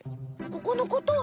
ここのこと？